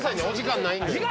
お時間ないんで。